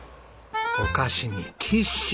お菓子にキッシュ。